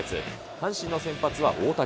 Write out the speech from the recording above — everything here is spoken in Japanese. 阪神の先発は大竹。